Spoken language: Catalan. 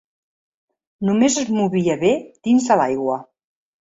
Només es movia bé dins de l'aigua.